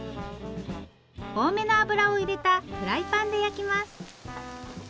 多めの油を入れたフライパンで焼きます